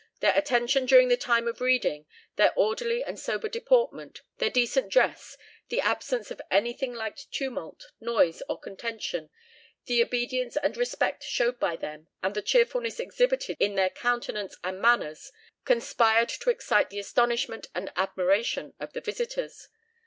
"Their attention during the time of reading, their orderly and sober deportment, their decent dress, the absence of anything like tumult, noise, or contention, the obedience and respect showed by them, and the cheerfulness exhibited in their countenance and manners, conspired to excite the astonishment and admiration of their visitors.